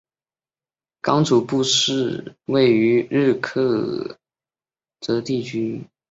刚楚布寺位于日喀则地区吉隆县境内。